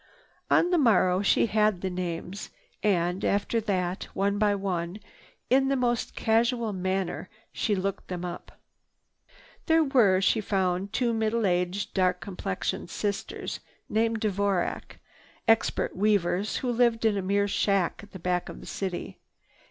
On the morrow she had the names. And, after that, one by one, in the most casual manner she looked them up. There were, she found, two middle aged, dark complexioned sisters named Dvorac, expert weavers who lived in a mere shack at the back of the city.